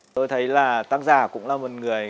tôi thấy là tác giả cũng là một người